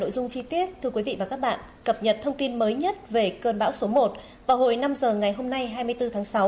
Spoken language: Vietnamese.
nội dung chi tiết thưa quý vị và các bạn cập nhật thông tin mới nhất về cơn bão số một vào hồi năm h ngày hôm nay hai mươi bốn tháng sáu